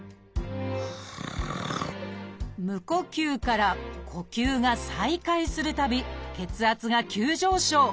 無呼吸から呼吸が再開するたび血圧が急上昇。